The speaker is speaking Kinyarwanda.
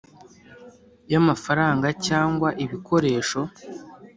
Y amafaranga cyangwa ibikoresho